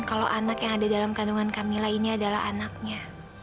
kalau anak yang ada dalam kandungan kak mila ini adalah anaknya